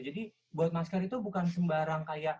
jadi buat masker itu bukan sembarang kayak pola